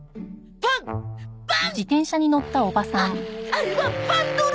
あれは「パンドル」！